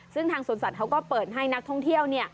ซึ่งทางสวนสัตว์เขาก็เปิดให้นักท่องเที่ยว